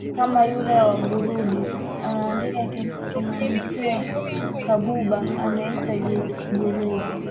kama yule wa burundi anandika kinamtia kabuba anaitwa geleza